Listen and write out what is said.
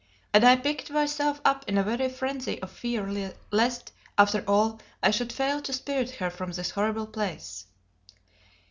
And I picked myself up in a very frenzy of fear lest, after all, I should fail to spirit her from this horrible place.